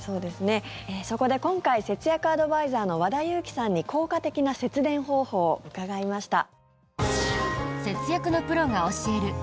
そこで今回節約アドバイザーの和田由貴さんに効果的な節電方法を伺いました。